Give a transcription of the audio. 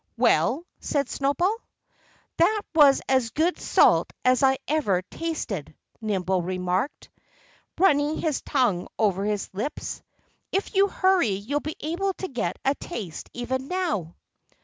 "Well?" said Snowball. "That was as good salt as I ever tasted," Nimble remarked, running his tongue over his lips. "If you hurry you'll be able to get a taste even now."